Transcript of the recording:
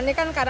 untuk apa saja